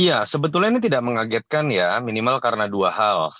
iya sebetulnya ini tidak mengagetkan ya minimal karena dua hal